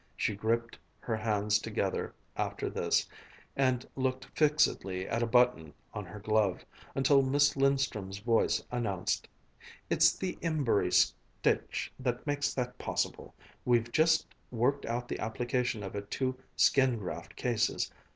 She gripped her hands together after this and looked fixedly at a button on her glove, until Miss Lindström's voice announced: "It's the Embury stitch that makes that possible: we've just worked out the application of it to skin graft cases.